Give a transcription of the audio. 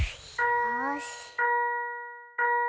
よし！